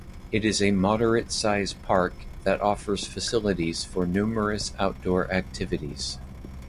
It is a moderate-size park that offers facilities for numerous outdoor activities.